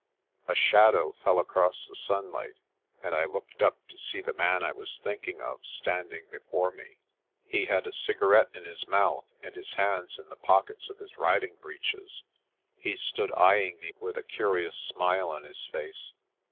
A shadow fell across the sunlight, and I looked up to see the man I was thinking of standing before me. He had a cigarette in his mouth, and his hands in the pockets of his riding breeches. He stood eyeing me with a curious smile on his face.